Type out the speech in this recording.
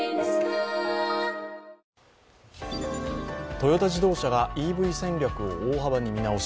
トヨタ自動車がＥＶ戦略を大幅に見直し